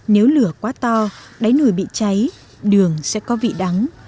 nếu lửa quá to đáy nồi bị cháy đường sẽ có vị đắng